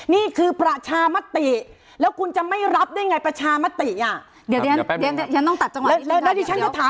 นี่คือประชามติแล้วคุณจะไม่รับได้ไงประชามติอ่ะ